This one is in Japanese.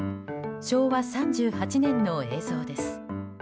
昭和３８年の映像です。